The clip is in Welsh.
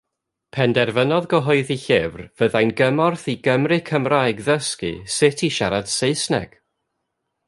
Penderfynodd gyhoeddi llyfr fyddai'n gymorth i Gymry Cymraeg ddysgu sut i siarad Saesneg.